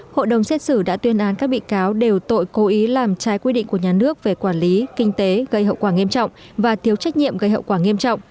hội đồng xét xử đã tuyên án các bị cáo đều tội cố ý làm trái quy định của nhà nước về quản lý kinh tế gây hậu quả nghiêm trọng và thiếu trách nhiệm gây hậu quả nghiêm trọng